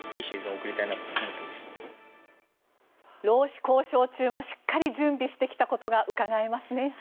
労使交渉中もしっかり準備してきたことがうかがえますね。